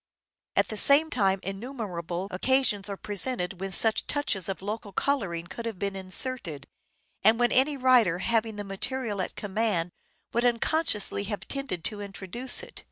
At the same time innumerable occasions are presented when such touches of local colouring could have been inserted, and when any writer having the material at command would unconsciously have tended to introduce it.